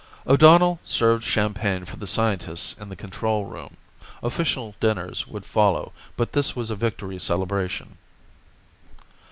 O'Donnell served champagne for the scientists in the control room. Official dinners would follow, but this was the victory celebration.